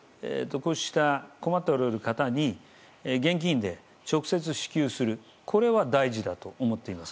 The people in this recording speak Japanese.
こうした困っておられる方に現金で直接支給するこれは大事だと思っています。